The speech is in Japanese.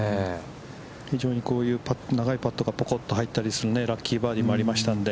非常にこういう長いパットがポコッと入ったりするラッキーバーデーもありましたね。